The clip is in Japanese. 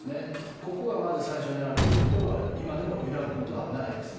ここがまず最初にあるというところは今でも揺らぐことはないです。